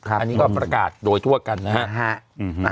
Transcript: อันนี้ก็ประกาศโดยทั่วกันนะฮะ